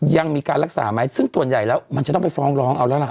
ยังมีการรักษาไหมซึ่งส่วนใหญ่แล้วมันจะต้องไปฟ้องร้องเอาแล้วล่ะ